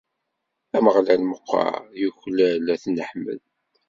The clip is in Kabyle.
Ameɣlal meqqer, yuklal ad t-neḥmed.